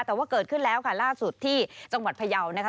แต่ว่าเกิดขึ้นแล้วค่ะล่าสุดที่จังหวัดพยาวนะคะ